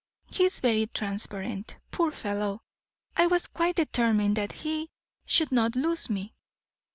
He is very transparent, poor fellow. I was quite determined that he should not lose me.